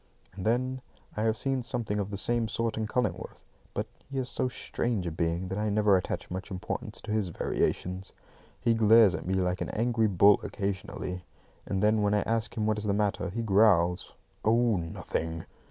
And then I have seen something of the same sort in Cullingworth; but he is so strange a being that I never attach much importance to his variations. He glares at me like an angry bull occasionally; and then when I ask him what is the matter, he growls out, "Oh, nothing!"